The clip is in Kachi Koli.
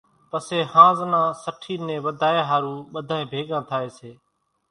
پسيَ ۿانز نان سٺِي نين وڌايا ۿارُو ٻڌانئين ڀيڳا ٿائيَ سي۔